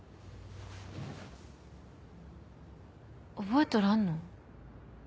覚えとらんの？